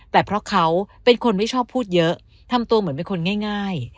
แต่เพราะเขาเป็นคนไม่ชอบพูดเยอะทำตัวเหมือนเป็นคนง่าย